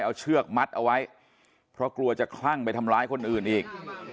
เอาเชือกมัดเอาไว้เพราะกลัวจะคลั่งไปทำร้ายคนอื่นอีก